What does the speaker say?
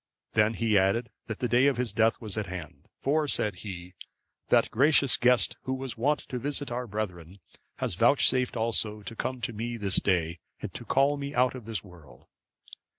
Then he added that the day of his death was at hand; for, said he, "that gracious guest, who was wont to visit our brethren, has vouchsafed also to come to me this day, and to call me out of this world.